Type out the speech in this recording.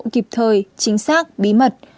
kịp thời chính xác bí mật